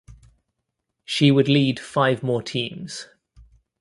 She would lead five more teams.